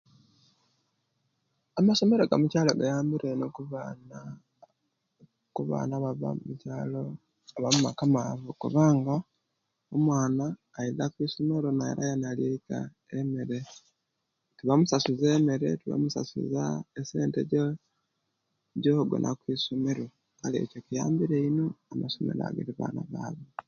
Amasomero gamukyalo gayambire ino baana kubaana, ababa mukyalo, mumaka maavu kubanga omwaana aiza kwisomero, nairayo nalya eika emera tibamusasula mere tibamusasula sente gyo gyo'gyoona okwisomero, kale ekyo kiyambira ino amasomero ago agetutwaalamu abaana.